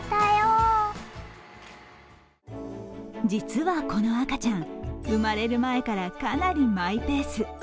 実はこの赤ちゃん生まれる前からかなりマイペース。